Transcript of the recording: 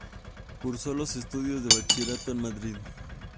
Cursó los estudios de bachillerato en Madrid.